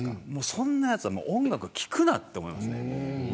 そんなやつは音楽を聞くなと思います。